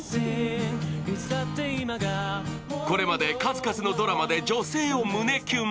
これまで数々のドラマで女性を胸キュン。